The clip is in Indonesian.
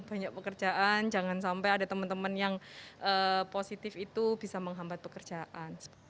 banyak pekerjaan jangan sampai ada teman teman yang positif itu bisa menghambat pekerjaan